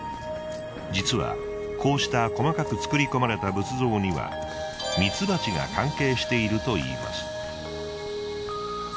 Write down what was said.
実はこうした細かく作り込まれた仏像にはミツバチが関係しているといいます。